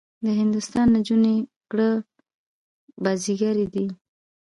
د هندوستان نجونې کړه بازيګرې دي.